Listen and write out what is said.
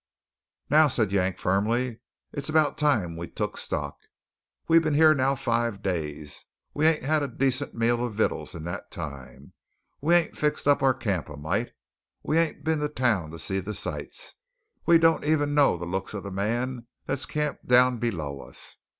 "Now," said Yank firmly, "it's about time we took stock. We been here now five days; we ain't had a decent meal of vittles in that time; we ain't fixed up our camp a mite; we ain't been to town to see the sights; we don't even know the looks of the man that's camped down below us.